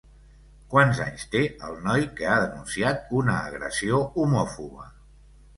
Quants anys té el noi que ha denunciat una agressió homòfoba?